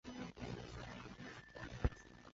现今以杯渡命名的地有杯渡路和杯渡轻铁站。